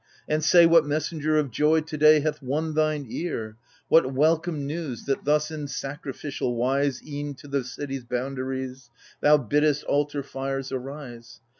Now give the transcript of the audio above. and say What messenger of joy to day Hath won thine ear ? what welcome news, That thus in sacrificial wise E'en to the city's boundaries Thou biddest altar fires arise